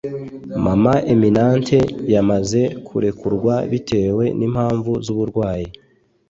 Maman Eminante yamaze kurekurwa bitewe n'impamvu z'uburwayi